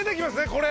これ。